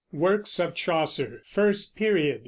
WORKS OF CHAUCER, FIRST PERIOD.